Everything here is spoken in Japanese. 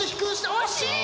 惜しい！